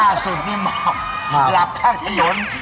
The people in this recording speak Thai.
หน้าสุดที่หมอบหลับท่างหยุน